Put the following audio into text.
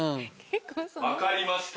分かりました